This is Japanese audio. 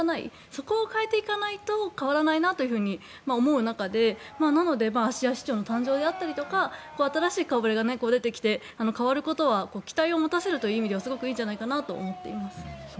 そこを変えていかないと変わらないなと思う中でなので芦屋市長の誕生であったりとか新しい顔触れが出てきて変わることは期待を持たせるという意味ではすごくいいんじゃないかと思っています。